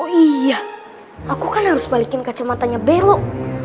oh iya aku kan harus balikin kacamatanya belok